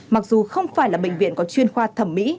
mặc dù không phải là bệnh viện có chuyên khoa thẩm mỹ